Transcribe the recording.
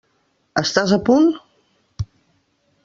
Estàs a punt?